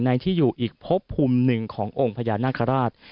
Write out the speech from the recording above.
ที่อยู่อีกพบภูมิหนึ่งขององค์พญานาคาราช